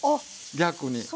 逆に。